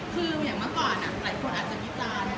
คืออย่างเมื่อก่อนหลายคนอาจจะวิจารณ์